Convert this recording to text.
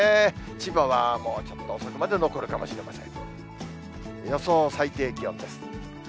千葉はもうちょっと遅くまで残るかもしれません。